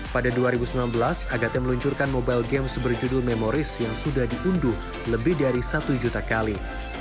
pada dua ribu sembilan belas agate meluncurkan mobile games berjudul memoris yang sudah diunduh lebih dari satu juta kali